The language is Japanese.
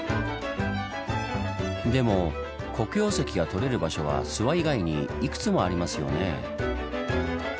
でも黒曜石がとれる場所は諏訪以外にいくつもありますよねぇ。